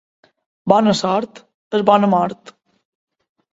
Bona sort és bona mort.